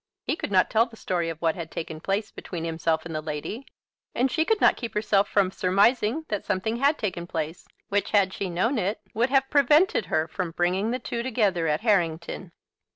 He could not tell the story of what had taken place between himself and the lady, and she could not keep herself from surmising that something had taken place, which, had she known it, would have prevented her from bringing the two together at Harrington.